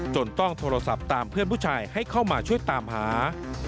ต้องโทรศัพท์ตามเพื่อนผู้ชายให้เข้ามาช่วยตามหา